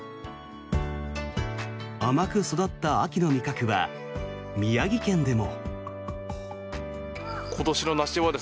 甘く育った秋の味覚は宮城県でも。